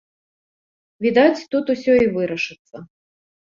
Відаць, тут усё і вырашыцца.